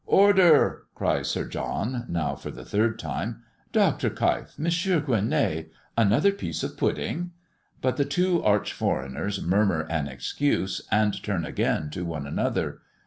"Order!" cries Sir John, now for the third time. "Dr. Keif, M. Gueronnay, another piece of pudding." But the two arch foreigners murmur an excuse, and turn again to one another.